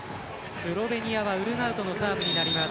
スロベニアはウルナウトのサーブです。